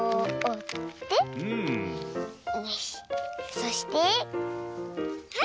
そしてはい。